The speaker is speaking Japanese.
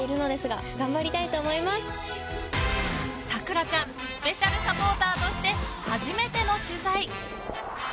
桜ちゃんスペシャルサポーターとして初めての取材。